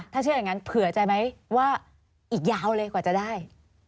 ถ้าเชื่ออย่างนั้นเผื่อใจไหมว่าอีกยาวเลยกว่าจะได้